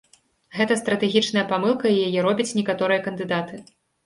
Гэта стратэгічная памылка, і яе робяць некаторыя кандыдаты.